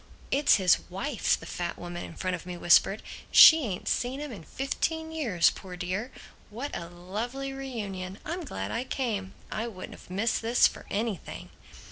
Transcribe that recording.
"It's his wife," the fat woman in front of me whispered. "She ain't seen 'im in fifteen years, poor dear! What a lovely re union. I'm glad I came. I wouldn't have missed this for anything!"